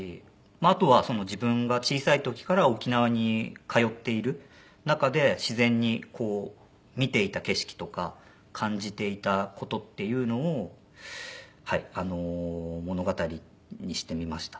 あとは自分が小さい時から沖縄に通っている中で自然にこう見ていた景色とか感じていた事っていうのをはいあの物語にしてみました。